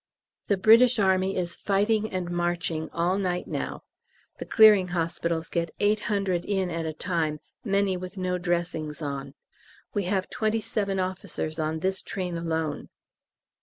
The British Army is fighting and marching all night now. The Clearing Hospitals get 800 in at a time, many with no dressings on. We have twenty seven officers on this train alone.